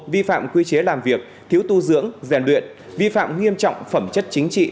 vi phạm quy chế làm việc thiếu tu dưỡng rèn luyện vi phạm nghiêm trọng phẩm chất chính trị